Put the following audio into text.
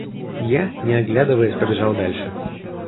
Я, не оглядываясь, побежал дальше.